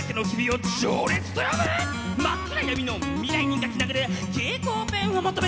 「真っ暗闇の未来に描き殴る蛍光ペンを求めて」